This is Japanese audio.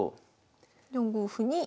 ４五歩に。